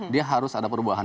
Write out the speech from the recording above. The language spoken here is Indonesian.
dia harus ada perubahan